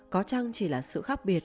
có chăng chỉ là sự khác biệt